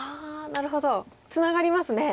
なるほどツナがりますね。